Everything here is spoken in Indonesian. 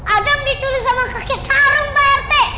adam diculik sama kakek sarung pak rt